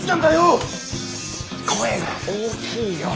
声が大きいよ。